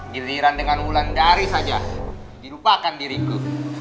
giliran dengan ulan dari saja dirupakan diriku